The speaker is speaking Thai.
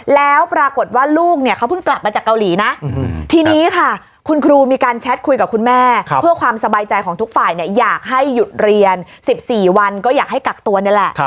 แล้วปรากฏว่าลูกเนี่ยเขาเพิ่งกลับมาจากเกาหลีนะทีนี้ค่ะคุณครูมีการแชทคุยกับคุณแม่เพื่อความสบายใจของทุกฝ่ายเนี่ยอยากให้หยุดเรียน๑๔วันก็อยากให้กักตัวนี่แหละ